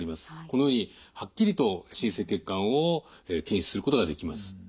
このようにはっきりと新生血管を検出することができます。